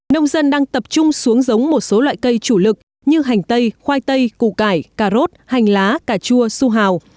nông dân đang tập trung xuống giống một số loại cây chủ lực như hành tây khoai tây củ cải cà rốt hành lá cà chua su hào